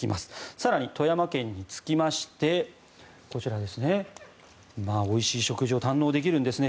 更に富山県に着きましておいしい食事を堪能できるんですね